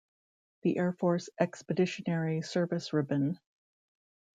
The Air Force Expeditionary Service Ribbon.